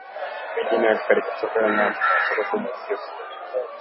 Wengine walifariki kutokana na mkanyagano na wengine kuanguka kutoka kwenye uzio huo